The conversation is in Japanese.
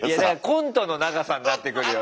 コントの長さになってくるよね。